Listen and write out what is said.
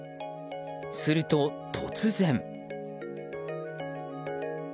すると、突然。